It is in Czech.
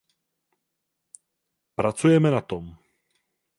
Pracujeme na tom.